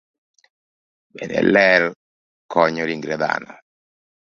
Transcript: Bende, ler konyo ringre dhano.